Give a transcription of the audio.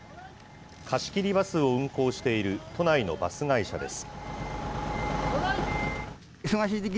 貸し切りバスを運行している都内のバス会社です。